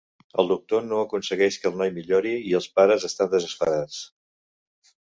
El doctor no aconsegueix que el noi millori i els pares estan desesperats.